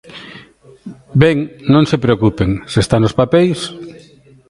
Ben, non se preocupen, se está nos papeis.